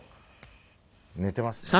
寝てますね。